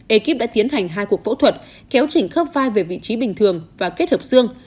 ekip đã tiến hành hai cuộc phẫu thuật kéo chỉnh khớp vai về vị trí bình thường và kết hợp xương